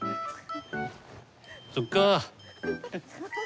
そっか。